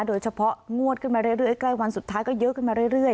โดยเฉพาะงวดขึ้นมาเรื่อยใกล้วันสุดท้ายก็เยอะขึ้นมาเรื่อย